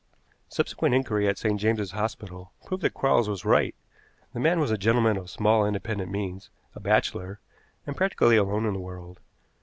Subsequent inquiry at St. James's Hospital proved that Quarles was right. The man was a gentleman of small independent means, a bachelor, and practically alone in the world.